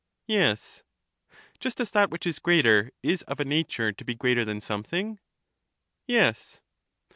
Yes. Just as that which is greater is of a nature to be greater than something? ^ Yes.